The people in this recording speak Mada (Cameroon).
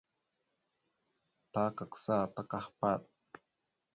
Ta kagsa ta kahpaɗ.